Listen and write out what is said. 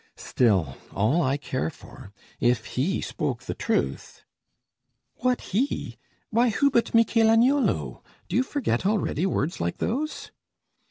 Still, all I care for, if he spoke the truth, (What he? why, who but Michel Agnolo? Do you forget already words like those?)